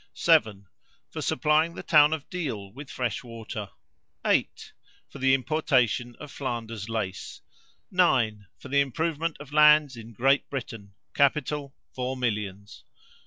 7. For supplying the town of Deal with fresh water. 8. For the importation of Flanders lace. 9. For improvement of lands in Great Britain. Capital, four millions.